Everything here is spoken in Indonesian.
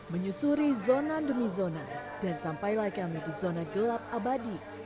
menyusuri zona demi zona dan sampailah kami di zona gelap abadi